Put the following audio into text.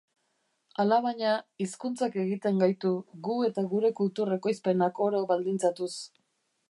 Alabaina, hizkuntzak egiten gaitu, gu eta gure kultur ekoizpenak oro baldintzatuz.